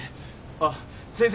あっ先生